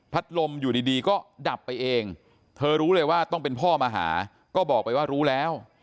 ลมอยู่ดีก็ดับไปเองเธอรู้เลยว่าต้องเป็นพ่อมาหาก็บอกไปว่ารู้แล้ว